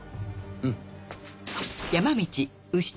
うん。